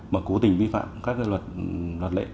mà cố tình vi phạm các cái luật lệ